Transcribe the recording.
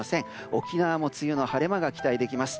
沖縄も梅雨の晴れ間が期待できます。